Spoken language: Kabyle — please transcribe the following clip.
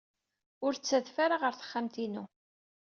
Ur ttadef ara ɣer texxamt-inu.